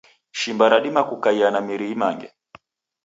Shimba radima kukaia na miri imange.